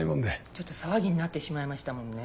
ちょっと騒ぎになってしまいましたもんね。